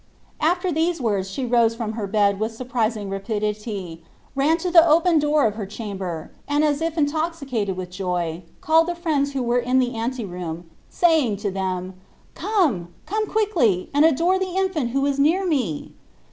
After these words she rose from her bed with surprising rapidity, ran to the opened door of her chamber, and as if intoxicated with joy, called the friends who were in the anteroom, saying to them :" Come, come quickly, and adore the infant who is near me."